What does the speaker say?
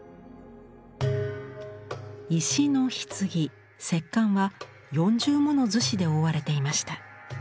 石の棺石棺は四重もの厨子で覆われていました。